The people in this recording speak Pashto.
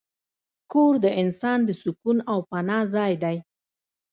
کور د انسان د سکون او پناه ځای دی.